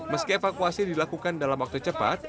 meski evakuasi dilakukan dalam waktu cepat